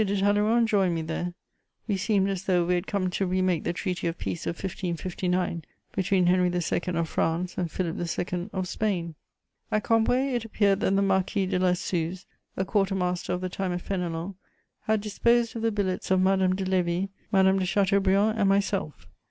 de Talleyrand joined me there: we seemed as though we had come to remake the treaty of peace of 1559 between Henry II. of France and Philip II. of Spain. At Cambrai it appeared that the Marquis de La Suze, a quarter master of the time of Fénelon, had disposed of the billets of Madame de Lévis, Madame de Chateaubriand and myself.